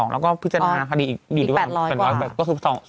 แล้วก็พิจารณาคดีอีก๘๐๐ก็๔๑๐๐